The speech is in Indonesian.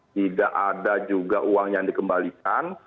tidak ada juga uang yang dikembalikan